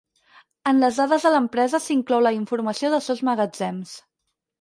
En les dades de l'empresa s'inclou la informació dels seus magatzems.